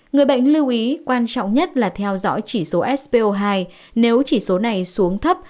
người bệnh lưu ý quan trọng nhất là theo dõi chỉ số spo hai nếu chỉ số này xuống thấp